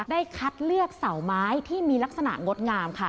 คัดเลือกเสาไม้ที่มีลักษณะงดงามค่ะ